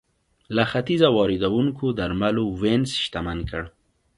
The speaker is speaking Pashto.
له ختیځه واردېدونکو درملو وینز شتمن کړ